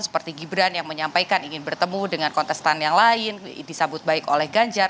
seperti gibran yang menyampaikan ingin bertemu dengan kontestan yang lain disambut baik oleh ganjar